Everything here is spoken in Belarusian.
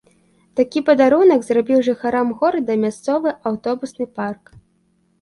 Такі падарунак зрабіў жыхарам горада мясцовы аўтобусны парк.